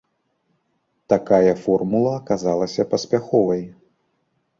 Такая формула аказалася паспяховай.